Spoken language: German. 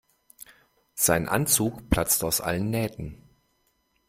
Sein Anzug platzt aus allen Nähten.